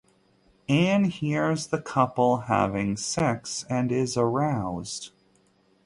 Anne hears the couple having sex and is aroused.